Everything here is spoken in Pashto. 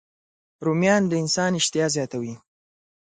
رومیان د انسان اشتها زیاتوي